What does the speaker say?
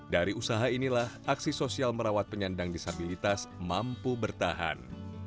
dari usaha inilah aksi sosial merawat penyandang disabilitas mampu bertahan